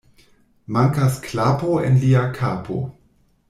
Mankas klapo en lia kapo.